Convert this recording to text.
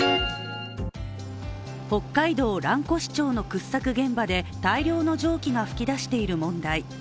北海道蘭越町の掘削現場で大量の蒸気が噴き出している問題。